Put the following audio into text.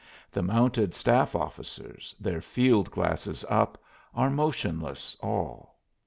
The mounted staff officers, their field glasses up, are motionless all.